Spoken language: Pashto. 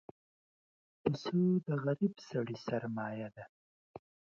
پسه د غریب سړي سرمایه ده.